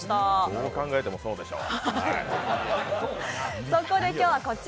どう考えてもそうでしょう。